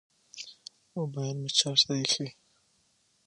موبیل مې چارج ته ایښی